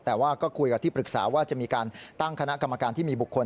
แต่ว่าก็คุยกับที่ปรึกษาว่าจะมีการตั้งคณะกรรมการที่มีบุคคล